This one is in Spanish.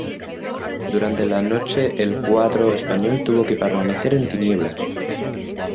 Durante la noche el cuadro español tuvo que permanecer en tinieblas.